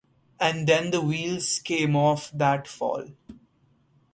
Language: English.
And then the wheels came off that fall.